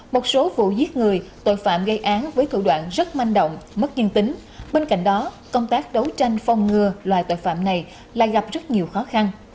một số vụ giết người tội phạm gây án với thủ đoạn rất manh động mất dương tính bên cạnh đó công tác đấu tranh phòng ngừa loại tội phạm này lại gặp rất nhiều khó khăn